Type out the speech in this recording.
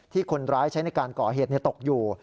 คนร้ายใช้ในการก่อเหตุตกอยู่